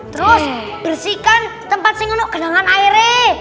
terus bersihkan tempat nyamuk dengan air